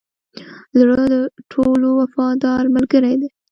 زړه ټولو وفادار ملګری دی.